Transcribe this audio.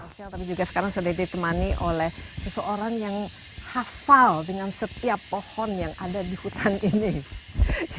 sosial tapi juga sekarang sudah ditemani oleh seseorang yang hafal dengan setiap pohon yang ada di hutan ini